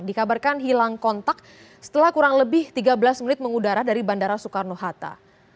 dikabarkan hilang kontak setelah kurang lebih tiga belas menit mengudara dari bandara soekarno hatta